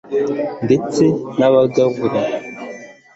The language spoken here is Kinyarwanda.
ndetse nabagabura